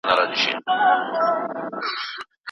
هر سهار مطالعه کوم